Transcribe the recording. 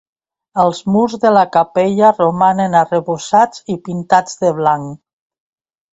Els murs de la capella romanen arrebossats i pintats de blanc.